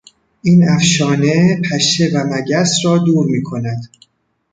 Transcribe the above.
این افشانه پشه و مگس را دور میکند.